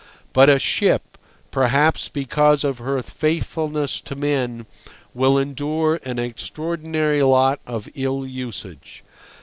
But a ship, perhaps because of her faithfulness to men, will endure an extraordinary lot of ill usage.